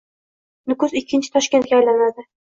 Nukus ikkinchi Toshkentga aylanadi